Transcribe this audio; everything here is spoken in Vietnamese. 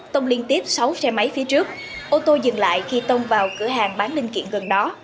tông liên tiếp sáu xe máy phía trước ô tô dừng lại khi tông vào cửa hàng bán linh kiện gần đó